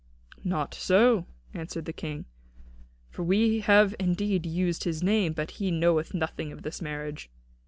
"Not so," answered the King, "for we have indeed used his name, but he knoweth nothing of this marriage.